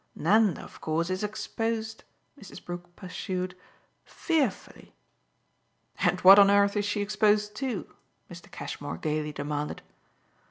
Nanda of course is exposed," Mrs. Brook pursued "fearfully." "And what on earth is she exposed to?" Mr. Cashmore gaily demanded.